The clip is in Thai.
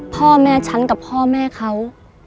พ่อแม่ฉันกับพ่อแม่เขา